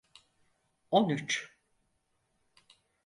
On üç.